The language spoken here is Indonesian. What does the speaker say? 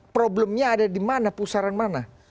problemnya ada dimana pusaran mana